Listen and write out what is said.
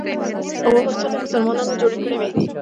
اوه مورچلې مسلمانانو جوړې کړې وې.